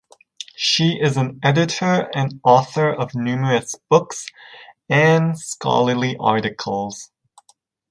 She is an editor and author of numerous books and scholarly articles.